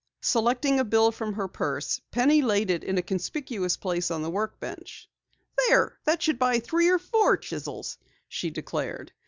Selecting a bill from her purse, Penny laid it in a conspicuous place on the workbench. "There, that should buy three or four chisels," she declared.